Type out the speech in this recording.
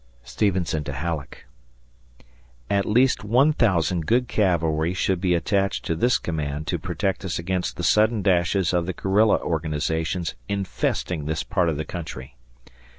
[Stevenson to Halleck] At least 1000 good cavalry should be attached to this command to protect us against the sudden dashes of the guerrilla organizations infesting this part of the country.